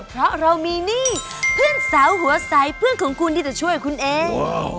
เพราะเรามีหนี้เพื่อนสาวหัวใสเพื่อนของคุณที่จะช่วยคุณเอง